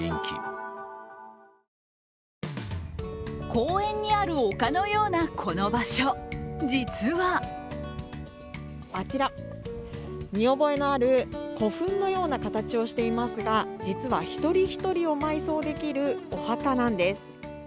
公園にある丘のようなこの場所実はあちら、見覚えのある古墳のような形をしていますが実は一人一人を埋葬できるお墓なんです。